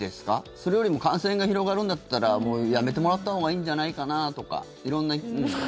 それよりも感染が広がるんだったらやめてもらったほうがいいんじゃないかなとか色んな。